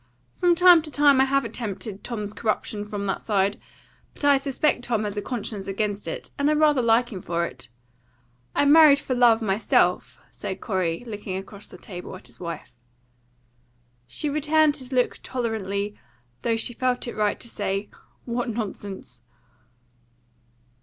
"From time to time I have attempted Tom's corruption from that side, but I suspect Tom has a conscience against it, and I rather like him for it. I married for love myself," said Corey, looking across the table at his wife. She returned his look tolerantly, though she felt it right to say, "What nonsense!"